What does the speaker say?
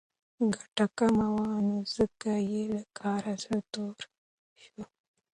ګټه کمه وه نو ځکه یې له کاره زړه توری شو.